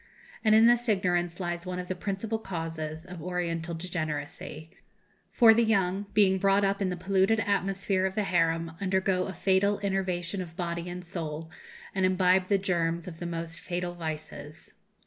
And in this ignorance lies one of the principal causes of Oriental degeneracy; for the young, being brought up in the polluted atmosphere of the harem, undergo a fatal enervation of body and soul, and imbibe the germs of the most fatal vices.